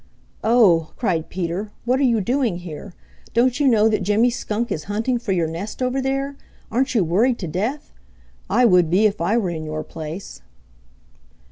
"Oh!" cried Peter. "What are you doing here? Don't you know that Jimmy Skunk, is hunting for your nest over there? Aren't you worried to death? I would be if I were in your place."